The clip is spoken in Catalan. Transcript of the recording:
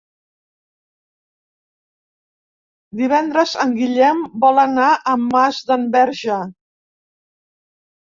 Divendres en Guillem vol anar a Masdenverge.